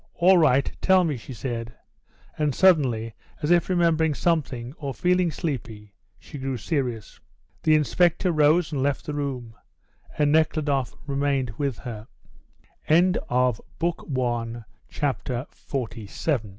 "All right; tell me," she said. And suddenly, as if remembering something, or feeling sleepy, she grew serious. The inspector rose and left the room, and Nekhludoff remained with her. CHAPTER XLVIII. MASLOVA REFUSES TO M